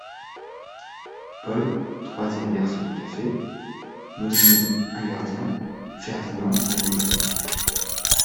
Paul Troisième garçon de café : Mosny Un gardien : Ferdinand De nos jours.